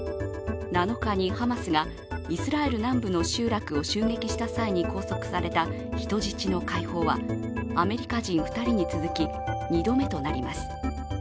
７日にハマスがイスラエル南部の集落を襲撃した際に拘束された人質の解放はアメリカ人２人に続き、２度目となります。